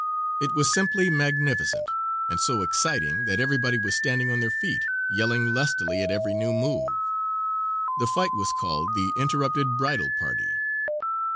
It was simply magnificent, and so exciting that everybody was standing on their feet yelling lustily at every new move. The fight was called "The Interrupted Bridal Party."